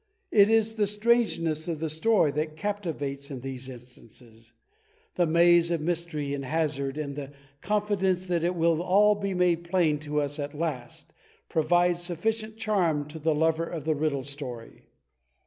It is the strangeness of the story that captivates in these instances. The maze of mystery and hazard, and 42 THE TECHNIQUE OF THE MYSTERY STORY the confidence that it will all be m9,de plain to us at last, provide sufficient charm to the lover of the Riddle Story.